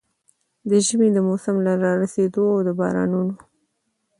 د ژمي د موسم له را رسېدو او د بارانونو